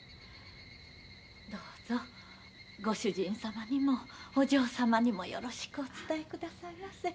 どうぞご主人様にもお嬢様にもよろしくお伝えくださいませ。